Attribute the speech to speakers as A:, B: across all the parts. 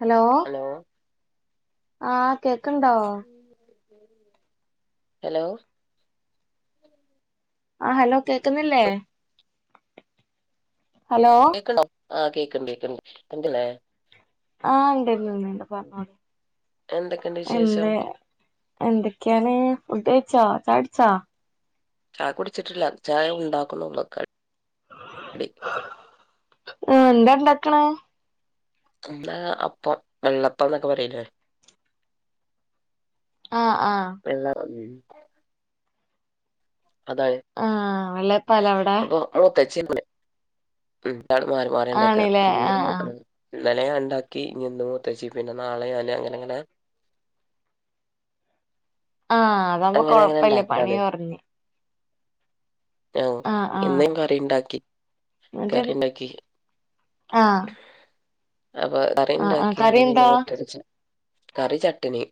A: hello ആഹ് കേക്കണ്ടോ
B: hello
A: ആഹ് ഹലോ കേൾക്കുന്നില്ലേ ഹലോ
B: [unintelligible]
A: ആഹ് ഇണ്ട് ഇണ്ട് ഇണ്ട് പറഞ്ഞോള്
B: എന്തൊക്കെയുണ്ട് വിശേഷം
A: എന്തെ എന്തൊക്കെയാണ് ഫുഡ് കഴിച്ചോ ചായ കുടിച്ചോ
B: ചായ കുടിച്ചിട്ടില്ല ചായ ഉണ്ടാക്കുണുള്ളു [unintelligible]
A: ആഹ് എന്താ ഉണ്ടാക്കണേ
B: ഇന്ന് അപ്പം വെള്ളപ്പം എന്നൊക്കെ പറയൂലേ
A: ആഹ് ആഹ്
B: [unintelligible] [unintelligible] [unintelligible]
A: ആഹ് വെള്ളയപ്പാലേ അവിടെ ആണ്ല്ലേ ആഹ് ആഹ്
B: ഇന്നലെ ഞാൻ ഉണ്ടാക്കി ഇനി ഇന്ന് മൂത്തേച്ചി പിന്നെ നാളെ ഞാന് അങ്ങനെ അങ്ങനെ
A: ആഹ് അതാവുമ്പോ
B: അങ്ങനെ അങ്ങനെ
A: കൊഴപ്പമില്ല പണി
B: ഉണ്ടാക്കലാണ്
A: കുറഞ്ഞ്
B: ആഹ് ഇന്നും കറി ഉണ്ടാക്കി കറി
A: എന്നിട്ട്
B: ഉണ്ടാക്കി
A: ആഹ്
B: അപ്പൊ
A: ആഹ് ആഹ് കറി
B: കറിയുണ്ടാക്കിയാണ്
A: എന്താ
B: പിന്നെ മുറ്റം അടിച്ചെ കറി ചട്ടിനി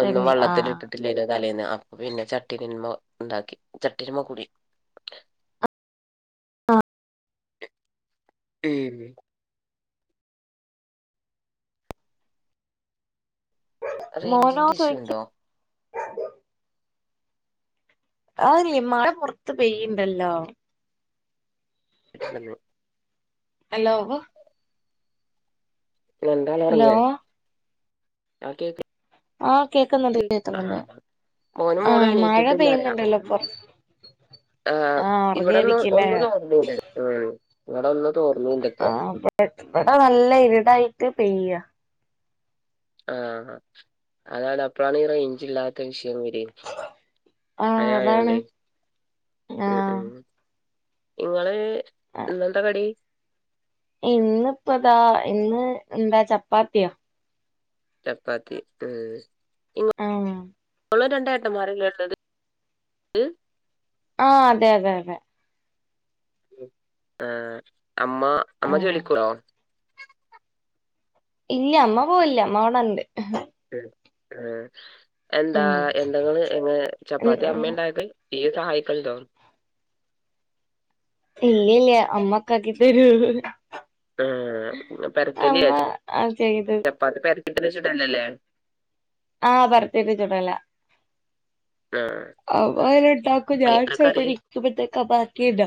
B: ഒന്ന്
A: ബെന്നി ആഹ്
B: വെള്ളത്തിലിട്ടി [unintelligible] തലേന്ന് അപ്പൊ പിന്നെ [unintelligible] ഉണ്ടാക്കി [unintelligible] [unintelligible]
A: മോനോ
B: റേഞ്ചിന്റെ ഇഷ്യൂ
A: ചോയിക്ക
B: ഉണ്ടോ
A: ആഹ് [unintelligible] മഴ പുറത്ത് പെയ്യുന്നുണ്ടല്ലോ
B: [unintelligible]
A: ഹലോ ഹലോ
B: [unintelligible] ബാക്കിയൊക്കെ
A: ആഹ് കേക്കുന്നുണ്ട് കേക്കുന്നുണ്ട്
B: മോനും മോളും
A: ആഹ് മഴ
B: എണീറ്റിട്ടില്ല
A: പെയ്യുന്നുണ്ടല്ലോ പുറത്ത്
B: ആഹ് ഇവിടെന്ന് ഒന്ന് തോർന്നുണ്ട് ഉം ഇവിടെ ഒന്ന് തോർന്നുണ്ട് ഇപ്പം
A: ആഹ് ഇവിടെ നല്ല ഇരുട്ടായിട്ട് പെയ്യാ
B: ആഹ് അതാണ് അപ്പോഴാണ് ഈ റേഞ്ച് ഇല്ലാത്ത വിഷയം വരുക മഴ
A: ആഹ് അതാണ്
B: ആയോണ്ട് ഉം
A: ആഹ്
B: ഉം നിങ്ങള് ഇന്നെന്താ കടി
A: ഇന്നിപ്പതാ ഇന്ന് എന്താ ചപ്പാത്തിയോ
B: ചപ്പാത്തി ഉം
A: ആഹ്
B: [unintelligible] [unintelligible]
A: ആഹ് അതെ അതെ അതെ
B: ആഹ അമ്മ അമ്മ
A: ആഹ്
B: ജോലിക്കൂപോയോ
A: ഇല്ല അമ്മ പോവല്ല അമ്മ അവിടെണ്ട്
B: എന്താ
A: ഉം
B: എന്തെങ്ക എങ്ങ ചപ്പാത്തി അമ്മയ ഉണ്ടായക്കെ ഇത ആയിക്ക തോ
A: ഇല്ല ഇല്ലേ അമ്മക്ക് അതിന്റെ ഒരു
B: ആഹ പെരത്തലിയ
A: ആ ചെയ്ത്
B: ചപ്പാത്ത് പെരത്തിട്ടന്ന് വെച്ചിട്ടല്ലല്ലേ
A: ആഹ് പറത്തേക്ക് ചുടല്ല
B: ആഹ്
A: അവ അന ഉണ്ടാക്കും ഞാൻ
B: അയിക്ക കറി
A: ചറപ്പടിക്കുമ്പത്തേക്കാ ബാക്കിയല്ല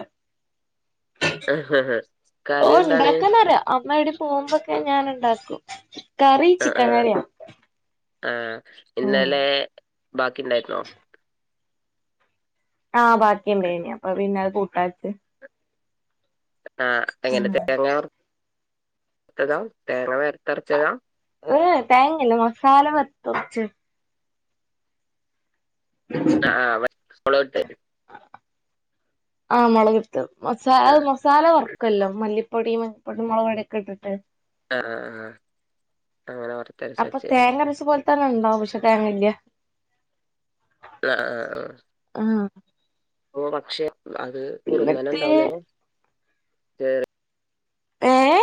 A: ഓ
B: കറി എന്താണ്
A: ഉണ്ടാക്കുന്നറേ അമ്മ ഇടെ പോകുമ്പൊക്കെ ഞാനുണ്ടാക്കും
B: ആഹ ആഹ ആഹാ
A: ഉം
B: ഇന്നലെ ബാക്കി ഉണ്ടായിരുന്നോ
A: ആഹ് ബാക്കി ഉണ്ടേന അപ്പൊ പിന്നെത് കൂട്ടാച്ച്
B: ആഹ അങ്ങനെ
A: ആഹ്
B: തേങ്ങത്തത തേങ്ങ വരത്തെറച്ചതാം
A: ഏ് തേങ്ങല്ല മസാല പത്തച്ച് [inaudible]
B: ആഹ ആഹാ മ സ്കൂൾ വിട്ടു
A: ആഹ് മുളകിട്ട മസ
B: ആഹ്
A: മസാല വർക്കല്ലോ മല്ലിപ്പൊടിയ മഞ്ഞപ്പൊടിയും മുളക്ടൊക്കെ ഇട്ടിട്ട്
B: ആഹ ആഹ ആഹ അങ്ങനെ പറ
A: അപ്പൊ തേങ്ങ അരച്ച പോലെ തന്നെ ഉണ്ടാവും പക്ഷെ തേങ്ങല്
B: ആഹ ആഹ
A: ആഹ്
B: ആഹ പക്ഷെ അത് കുറന
A: എന്നിട്ട്
B: ഉണ്ടാവൂലേല്ലോ
A: ഏഹ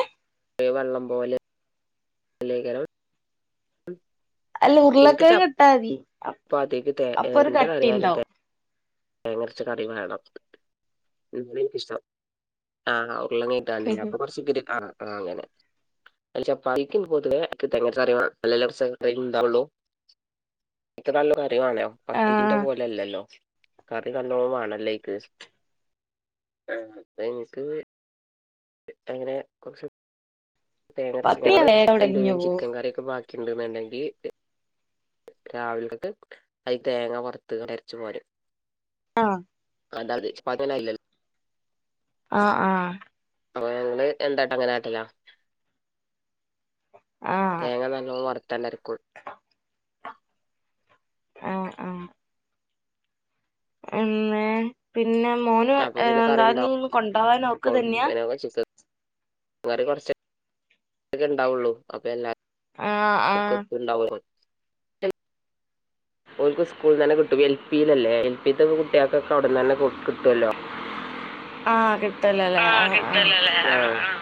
B: വെള്ളം പോലെ ലേഖരം
A: അല്ല
B: എനിക്ക്
A: ഉരുളക്കിഴങ്ങ് ഇട്ടാ മതി
B: ചപ്പദ്യേക്ക്
A: അപ്പൊ ഒരു
B: എന്താ കറി
A: കട്ടി
B: ആയാലും
A: ഉണ്ടാവും
B: തേങ്ങരച്ച കറി വേണം എ എനിക്കിഷ്ടം ആഹ ഉങ്ങ കിണ്ടില്ല അ കുറച്ച ഒക്കരി ആഹ ആഹ അങ്ങനെ ചപ്പാത്തിക്ക് പൊതുവെ തെങ്ങഅരച്ച കറി വേണം [inaudible] ഉണ്ടാവുള്ളു ഇനിക്ക് നല്ല കറി വണോ പത്തിക്കന്റെ
A: ആഹ്
B: പോലെല്ലല്ലോ കറി കല്ലോ ആണ ലൈക്ക് ആഹ അ എനിക്ക് അങ്ങനെ തേങ്ങരച്ച
A: പത്തിരി
B: ഞങ്ങള്ൾ രണ്ടുപേരും
A: വേഗം ഒടഞ്ഞു
B: എന്തെയും
A: പോവും
B: ചിക്കൻ കറിയൊക്കെ ബാക്കയുണ്ട് എന്നുണ്ടെങ്കിൽ രാവിലോട്ട് അതി തേങ്ങ വറുത്അരച്ച് പോരും
A: ആഹ
B: അത അ പതനല്ലല്ലേ
A: ആഹ് ആഹാ
B: അപ്പൊ ഞങ്ങള് എന്തായിട്ട് അങ്ങന ആട്ടല്ലാ
A: ആഹ്
B: തേങ്ങ നല്ലോണം വറുത്താലെ അരക്കും
A: [unintelligible] ആഹ ആഹ എന്നെ പിന്നെ മോന്
B: അപ്പൊ പിന്നെ കറി
A: എന്താ
B: ഉണ്ടാവും
A: നീന്ന് കൊണ്ടാവാൻ നോക്ക് തന്നെയാ
B: വേറെ കുറച്ച് അക്കെ ഉണ്ടാവുള്ളൂ അ എല്ലാ
A: ആഹ
B: [inaudible] ഓല്ക്ക് സ്കൂളി തന്നെ കിട്ടും എൽ പിയി അല്ലേ എൽ പി ത്തെ കുട്ടികൾക്കൊക്കെ അവിടുന്ന്ൺന്നെ കൊട് കിട്ടുമല്ലോ
A: ആഹ് കിട്ട്ല്ലല്ലേ
B: ആഹ് ആഹ്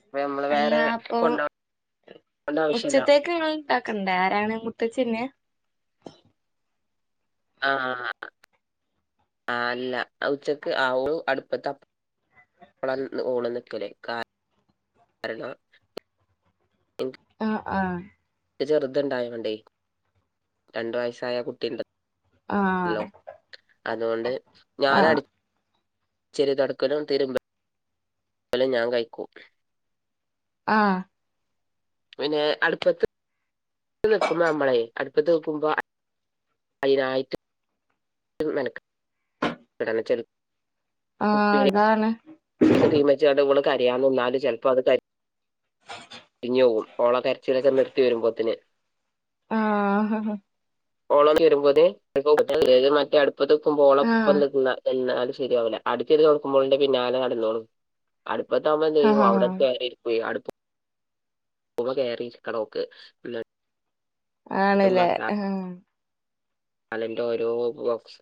B: അപ്പൊ നമ്മള്
A: അല്ല
B: വേറെ
A: അപ്പൊ
B: കൊണ്ടോണ്ട ആവശ്യല്ല
A: ഉച്ചത്തേക്ക് നിങ്ങ ഇണ്ടാക്കണ്ടേ ആരാണ് മൂത്തേച്ചിന്നെ
B: ആഹ് ആ അല്ല ഉച്ചക്ക് ആ അടുപ്പത്ത വള ഓള് നിൽക്കല് കാര
A: ആഹ് ആഹ്
B: ചെറുതിണ്ടായൊണ്ടേ രണ്ടു വയസ്സായ കുട്ടി ല്ലോ
A: ആഹ്
B: അതുകൊണ്ട് ഞാൻട
A: ആഹ്
B: ചെറിയ തൊടക്കലും തീരുമ്പ ഞാൻ കഴിക്കൂ
A: ആഹ്
B: പിന്നെ അടുപ്പത്ത് നിക്കുമ്പോ നമ്മളെ അടുപ്പത്ത് നിക്കുമ്പോ അയ്നായിട്ട് ന [unintelligible]
A: ആഹ് അതാണ്
B: തീമച്ചണ്ട് കരയാൻന്നാല് ചിലപ്പോത് ഇഞ്ഞവും ഓള കരച്ചിലൊക്കെ നിർത്തി വരുമ്പോത്തിന്
A: ആഹ് ആഹ്
B: ഓളോന്ന വരുമ്പോത് മറ്റേ അടുപ്പത്ത്ക്കുമ്പോ
A: ആഹ്
B: ഓളപ്പം നിക്ക്ന്ന എന്നാലും ശരിയാവല്ല അടിച്ചെത് നോക്കുമ്പോളന്റെ പിന്നാലെ നടന്നോക്കും അടുപ്പത്താമ്പ ചെയ്യും
A: ആഹ്
B: അവിടെ [unintelligible] അടു ചുമ്മാ കേറിയിരിക്കണം ഓക്ക് പിന്നെ
A: ആണ്ല്ലേ ആഹ്
B: അലന്റെ ഓരോ ബോക്സ്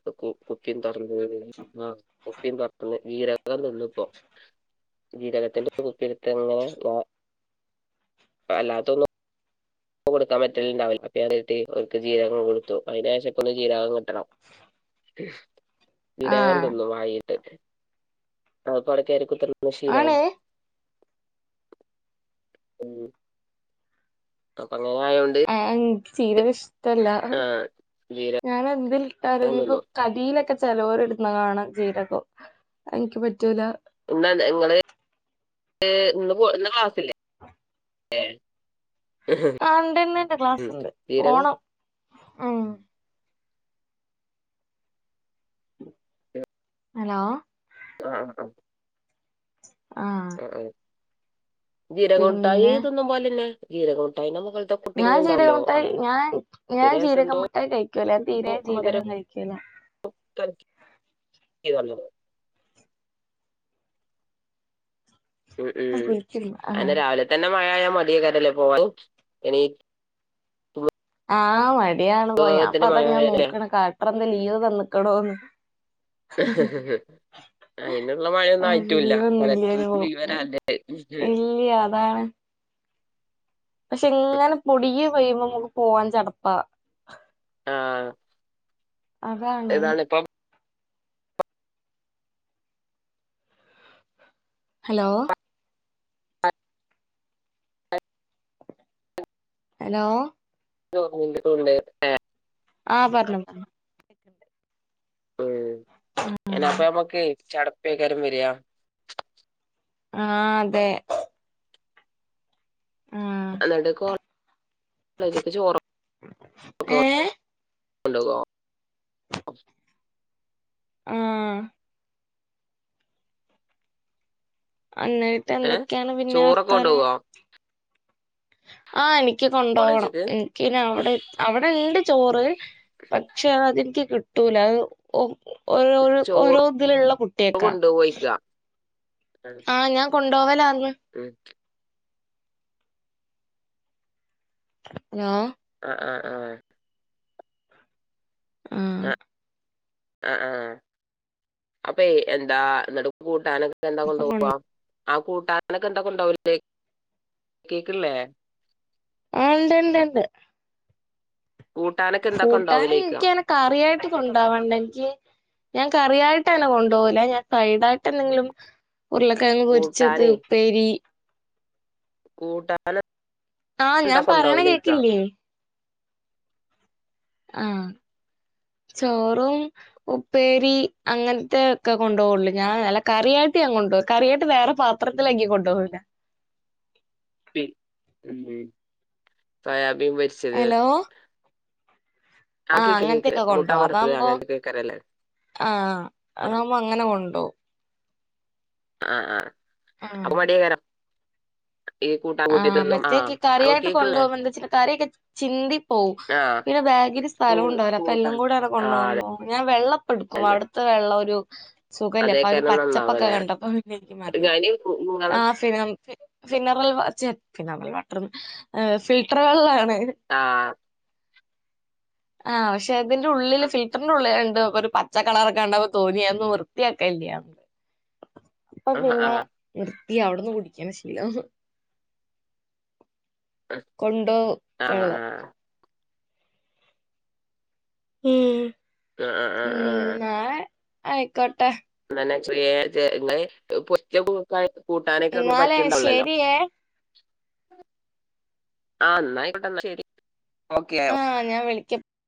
B: കുപ്പിയും തുറന്ന് ആ കുപ്പിയും തുറന്ന് ജീരകം തിന്നിപ്പോ ജീരകത്തിന്റെ കുപ്പിടുത്ത്ങ്ങനെ അല്ലാത്തൊന്നും കൊടുക്കാൻ പറ്റലണ്ടാവില്ല [unintelligible] അവർക്ക് ജീരകം കൊടുത്തു അതിനേശം ഇപ്പ ഒന്ന് ജീരകം കിട്ടണം ജിരകം
A: ആഹ്
B: തിന്നും വായിട്ട് അത് പുട കയറി കുത്തിന്ന് ശീലായി
A: ആണ്
B: ഉം അപ്പൊ അങ്ങനെ ആയൊണ്ട്
A: ആ ചീരകം ഇഷ്ടല്ല
B: ജീരകം
A: ഞാന് എന്തിൽ ഇട്ടാലും ഇൻക്ക്
B: തിന്നു
A: കറീലൊക്കെ ചിലോര് ഇടുന്ന കാണാം ജീരകം എനിക്ക് പറ്റൂല
B: ഇന്നത് നിങ്ങള് ഈ ഇന്ന് ക്ലാസ്സില്ലേ
A: ആ
B: ഏഹ്
A: ആ ഇണ്ട്ന്ന്ണ്ട് ക്ലാസ്സുണ്ട്
B: ജീരകം
A: പോണം ഉം ഹലോ
B: ആഹ്
A: ആഹ്
B: ജീരക മുട്ടായി
A: പിന്നെ
B: തിന്നും പോലില്ലെ ജീരക മുട്ടായി നമ്മ
A: ഞാൻ ജീരക മുട്ടായി ഞാൻ ഞാൻ
B: രസം
A: ജീരകം
B: എന്തോ
A: മുട്ടായി കഴിക്കൂല്ല ഞാൻ തീരെ ജീരകം
B: മധുരം
A: കഴിക്കൂല
B: [inaudible] ഉം ഉം
A: കുലിക്കില്ല ആഹ്
B: അന്ന രാവില തന്നെ മഴ ആയൽ മതിയാ കാരല്ലോ പോവാൻ എനി
A: ആഹ് മടിയാണ് പോയ ഞാ അപ്പ
B: എണീറ്റത്തിന്
A: അതാ
B: മഴ
A: ഞാൻ
B: ആയാലേ
A: നോക്കണ കളക്ടർ എന്ത ലീവ് തന്ന്ക്കണോന്ന്
B: അയിതിനുള്ള മഴയൊന്നും
A: ആഹ്
B: ആയിട്ടില്ല കലക്ടറി വിവരല്ലേ
A: ഇല്ല അതാണ് പക്ഷെ എങ്ങനെ പൊടി പ്യുമ്പോ നമുക്ക് പോവാൻ ചടപ്പാ
B: ആഹ്
A: അതാണ് ഹലോ ഹലോ
B: [inaudible]
A: ആഹ പറഞ്ഞു
B: ഉം അഹ് അപ്പ നമ്മുക്ക് ചടപ്പേക്കാരും വരിയാ
A: ആഹ് അതെ ആഹ്
B: എന്നിട്ട് കോ കോളേജക്കെക്ക കൊണ്ടോ
A: ഏഹ്
B: [inaudible]
A: ഉം അന്നായിട്ട്
B: ഏ
A: എന്തൊക്കെയാണ് പിന്നെ
B: ചോറൊക്കെ
A: വർത്താനം
B: കൊണ്ടുപോകോ
A: ആഹ എനിക്ക് കൊണ്ടു പോണം
B: കോളേജിക്ക്
A: എനിക്ക അവിടെ അവിടെ ഉണ്ട് ചോറ് പക്ഷെ അ അതെനിക്ക് കിട്ടൂല അത് ഓ
B: ചോറ്
A: ഓരോ ഇതിലുള്ള കുട്ടിയൊക്കാ
B: അഹ്
A: ആഹ് ഞാൻ കൊണ്ടോവലാന്ന്
B: ഉം
A: ഹലോ
B: ആഹാ ആഹ് ആഹ് ആഹ് ആഹ് ആഹ് അപ്പയ് എന്താ ഇന്നട്ട് കൂട്ടാനൊക്കെ എന്താ
A: അപ്പൊ
B: കൊണ്ടോവാ
A: കൊണ്ട്
B: ആഹ് കൂട്ടാനൊക്കെ എന്താ കൊണ്ടോവല് കേക്ക്ല്ലേ
A: ആഹ് ഇണ്ട് ഇണ്ട് ഇണ്ട്
B: കൂട്ടാന്
A: കൂട്ടാന് ഇനൻക്കങ്ങനെ കറിയായിട്ട് കൊണ്ടവണ്ട ഇൻക്ക് ഞാൻ കറിയായിട്ട്ന്നെ കൊണ്ടോവല് അഹ് ഞാൻ ഫൈഡായിട്ട് എന്തെങ്കിലും ഉരുളക്കിയങ്ങ് പൊരിച്ചത്
B: കൂട്ടാനേ
A: ഉപ്പേരി
B: കൂട്ടാന്
A: ആഹ്
B: എന്താ
A: ഞാൻ പറയണ
B: കൊണ്ടോവലയിക്കാ
A: കേക്കില്ലേ ആഹ് ചോറും ഉപ്പേരി അങ്ങൻത്തെക്കെ കൊണ്ടോ ഒള്ളൂ ഞാൻ നല്ല കറിയായിട്ട് ഞാൻ കൊണ്ടോ കറിയായിട്ട് വേറെ പാ ത്രത്തിലാക്കി കൊണ്ടോവല
B: പിന്നെന്ത് സൊയാബീ പൊര്
A: ഹലോ
B: ആ
A: ആഹ്
B: കേക്ക് കേക്ക്
A: അങ്ങൻത്തെക്കെ
B: മുട്ട
A: കൊണ്ടോവാ
B: വറുത്തത്
A: അതാഉമ്പോ
B: അങ്ങനത്തെ കേക്കരല്ലേ
A: ആഹ്
B: ആ
A: അതാഉമ്പോ അങ്ങനെ കൊണ്ടോഉം
B: ആഹ് ആഹ് അപ്പൊ
A: ആഹ്
B: മടിയ്കാരം
A: ആഹ്
B: തിന്നും ആ
A: മറ്റേക്ക്
B: അപ്പൊ
A: കറിയായിട്ട്
B: കേക്കില്ലേ
A: കൊണ്ടോഉമ്പോ എന്താച്ച കറിയൊക്കെ ചിന്തി പോവും
B: ആ
A: പിന്നെ ബാഗല് സ്
B: കൂ
A: സ്ഥലുണ്ടാഉലാ അപ്പൊ എല്ലം
B: കൂട്ടാൻ
A: കൂടെനെ
B: ആ അതെ
A: കൊണ്ടോഉമ്പോ ഞാൻ വെള്ളപ്പട്ക്കും അവിട്ത്തെ വെള്ളൊരു സുഖല്ല്യ ഇപ്പരു
B: അതേക്കാരം
A: പച്ചപ്പൊക്കെ
B: നന്നാവല്ലേ
A: കണ്ടപ്പോ പിന്നെ എനിക്ക് മതിയായി
B: ഞാന് കു- നിങ്ങള്
A: ആഹ് ഫിനറൽ ഛെ ഫിനറൽ വ ഛെ ഫിനറൽ വാട്ട്രന്ന് ഫിൽട്ടർ വള്ളാണ്
B: ആഹ്
A: ആഹ് പക്ഷെ അതിന്റെ
B: ആ
A: ഉള്ളില് ഫിൽട്ടർന്റെ ഉള്ളി ഇണ്ട് ഒരു പ ച്ച കളറ് കണ്ടപ്പൊ തോന്നി അതൊന്നും വൃത്തിയാക്കല്ല്യാന്ന് അപ്പൊ
B: ആ ആ ആ ആ
A: പിന്നെ നിർത്തി ഔട്ന്ന് കുടിക്ക്ണ ശീലം കൊണ്ടോവ്
B: ആ
A: വെള്ളം ഉം
B: ആഹ് ആഹ് ആഹ്
A: ഇന്നാ ആയിക്കോട്ടെ
B: അന്നെ [unintelligible] കൂട്ടാനൊക്കെ ഒ
A: എന്നാലേ
B: പറ്റ്ണ്ടള്ളല്ലോ
A: ശരിയേ
B: ആഹ് ഇന്നായിക്കോട്ടെന്നാ ശരി ഓക്കെ ആയൊ
A: ഞാ വിളിക്കും